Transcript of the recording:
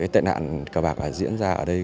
tệ nạn cờ bạc diễn ra ở đây